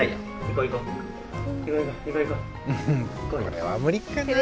これは無理かな。